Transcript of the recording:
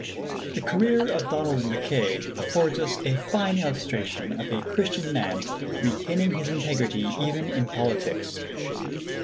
The career of Donald Mackay affords us a fine illustration of a Christian man retaining his integrity even in politics.